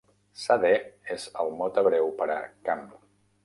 Sadeh és el mot hebreu per a "camp".